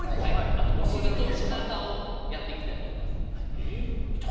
あと、お尻と背中をやっていきたいと思います。